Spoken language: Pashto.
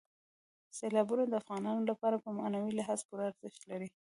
سیلابونه د افغانانو لپاره په معنوي لحاظ پوره ارزښت لري.